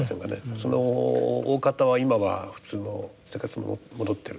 そのおおかたは今は普通の生活に戻ってる。